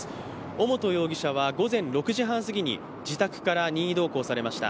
尾本容疑者は午前６時半すぎに自宅から任意同行されました。